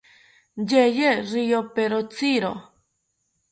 Yeye riyoperotziro